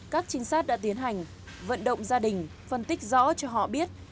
các trinh sát đã tiến hành vận động gia đình phân tích rõ cho họ biết